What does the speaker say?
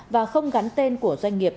và không gắn tên của doanh nghiệp